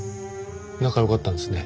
仲良かったんですね。